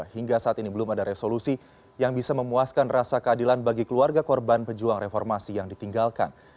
hingga saat ini belum ada resolusi yang bisa memuaskan rasa keadilan bagi keluarga korban pejuang reformasi yang ditinggalkan